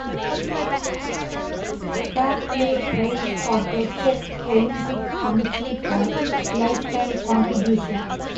Fair Play prize of the Czech Olympic Committee for lifetime contribution.